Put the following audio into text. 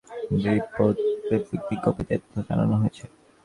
আজ সোমবার এক সংবাদ বিজ্ঞপ্তিতে এ তথ্য জানানো হয়েছে।